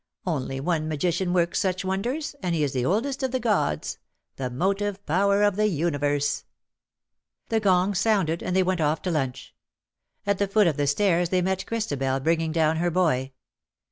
Only one magician works such wonders^ and he is the oldest of the gods — the motive power of the universe.''^ The gong sounded, and they went off to lunch. At the foot of the stairs they met Christabel bring ing down, her boy.